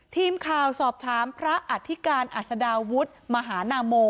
ทีมข่าวสอบถามพระอธิการอัศดาวุฒิมหานาโม